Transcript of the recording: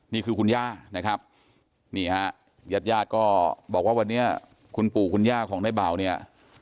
นี่คือคุณย่านะครับนี่ฮะญาติญาติก็บอกว่าวันนี้คุณปู่คุณย่าของในเบาเนี่ย